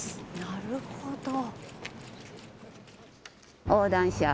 なるほど。